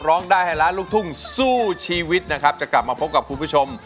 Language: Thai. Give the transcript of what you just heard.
ร้องได้ให้ล้านลูกทุ่งสู้ชีวิตนะครับจะกลับมาพบกับคุณผู้ชม